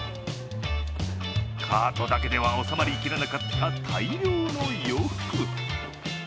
カートだけでは収まりきらなかった大量の洋服。